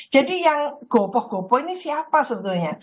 jadi yang gopoh gopoh ini siapa sebetulnya